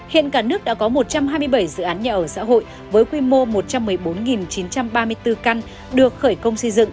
hiện cả nước đã có một trăm hai mươi bảy dự án nhà ở xã hội với quy mô một trăm một mươi bốn chín trăm ba mươi bốn